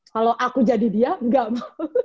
kalau aku jadi dia enggak mau